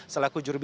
selaku juru bicara